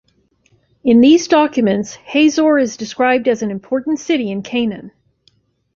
In these documents, Hazor is described as an important city in Canaan.